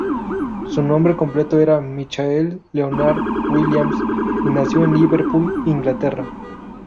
Su nombre completo era Michael Leonard Williams, y nació en Liverpool, Inglaterra.